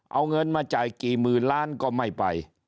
เอาเงินมาจ่ายกี่หมื่นล้านก็ไม่ไป